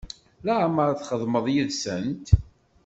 Laɛmeṛ i txedmeḍ yid-sent?